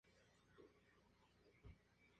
Akihiro Hayashi